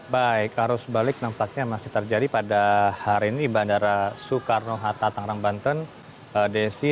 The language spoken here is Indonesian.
baik arus balik nampaknya masih terjadi pada hari ini di bandara soekarno hatta tangerang banten desi